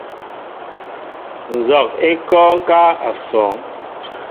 Nzog e kɔŋ ká assoŋ.